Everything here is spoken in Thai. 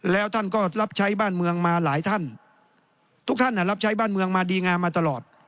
แล้วท่านก็รับใช้บ้านเมืองมาหลายท่านทุกท่านรับใช้บ้านเมืองมาดีงามมาตลอด